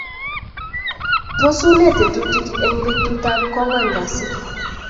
tos une tetutikuk eng' betutab ko ang'wan kasi